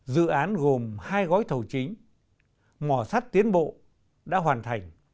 dự án gồm hai gói thầu chính mỏ sắt tiến bộ đã hoàn thành